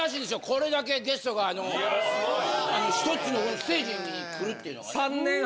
これだけゲストがあの１つのステージに来るっていうのがね。